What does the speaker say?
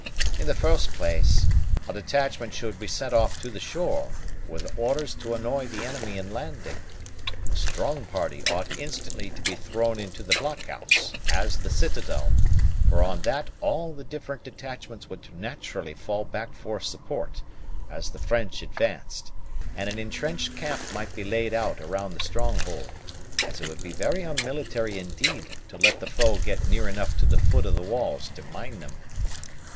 In the first place, a detachment should be sent off to the shore, with orders to annoy the enemy in landing; a strong party ought instantly to be thrown into the blockhouse, as the citadel, for on that all the different detachments would naturally fall back for support, as the French advanced; and an entrenched camp might be laid out around the stronghold, as it would be very unmilitary indeed to let the foe get near enough to the foot of the walls to mine them.